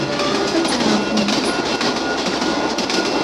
Ad tt-ɛerḍent.